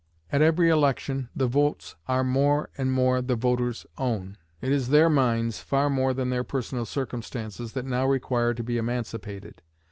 At every election the votes are more and more the voter's own. It is their minds, far more than their personal circumstances, that now require to be emancipated.